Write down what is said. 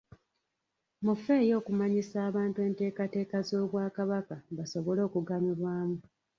Mufeeyo okumanyisa abantu enteekateeka z'Obwakabaka basobole okuganyulwamu.